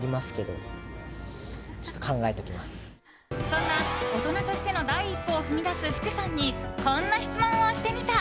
そんな大人としての第一歩を踏み出す福さんにこんな質問をしてみた。